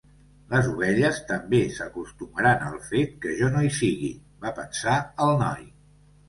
Les ovelles també s'acostumaran al fet que jo no hi sigui, va pensar el noi.